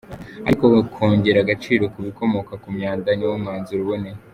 Ariko kongera agaciro k’ibikomoka ku myanda ni wo mwanzuro uboneye”.